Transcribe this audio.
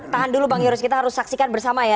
tahan dulu bang yoris kita harus saksikan bersama ya